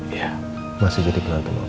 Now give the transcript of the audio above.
iya masih jadi penantu mama